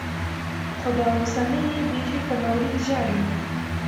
خو دا اوسنۍيې بيخي په ناورين ژاړي.